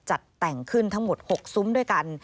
จัดแต่งขึ้นทั้งหมด๖ซุ้มด้วยกัน